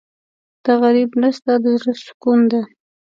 د غریب مرسته د زړه سکون ده.